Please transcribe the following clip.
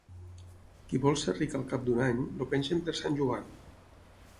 Qui vol ser ric al cap d'un any, el pengen per Sant Joan.